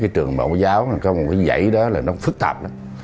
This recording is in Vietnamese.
trường bảo giáo có một cái dãy đó là nó phức tạp